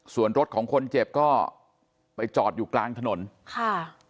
ส่วนรถของคนเจ็บก็ไปจอดอยู่กลางถนนค่ะ